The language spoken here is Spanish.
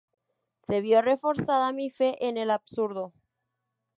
Se vio reforzada mi fe en el absurdo".